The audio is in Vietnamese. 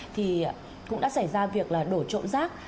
thì cũng đã xảy ra việc là đổ trộm rác